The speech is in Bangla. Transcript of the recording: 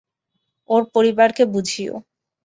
ওর পরিবারকে বুঝিও।